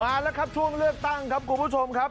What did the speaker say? มาแล้วครับช่วงเลือกตั้งครับคุณผู้ชมครับ